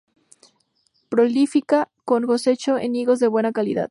Prolífica con cosecha en higos de buena calidad.